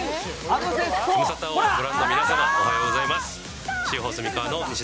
ズムサタをご覧の皆さん、おはようございます。